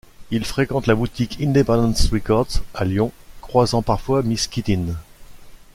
Il fréquente la boutique Independance Records à Lyon, croisant parfois Miss Kittin.